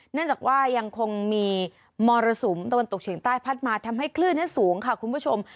เนื่องจากว่ายังคงมีมรสุมตะวันตกเฉียงใต้พัดมาทำให้คลื่นนั้นสูงค่ะคุณผู้ชม